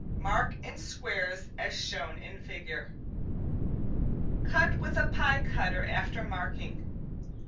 Mark in squares as shown in figure. Cut with a pie cutter after marking.